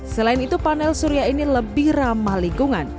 selain itu panel surya ini lebih ramah lingkungan